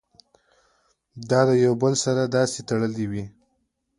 دا د يو بل سره داسې تړلي وي